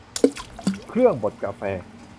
เครื่องบดกาแฟ